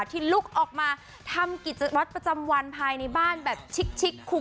ที่ลุกออกมาทำกิจวัตรประจำวันภายในบ้านแบบชิกคุก